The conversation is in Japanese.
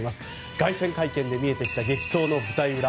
凱旋会見で見えた激闘の舞台裏